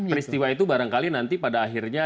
peristiwa itu barangkali nanti pada akhirnya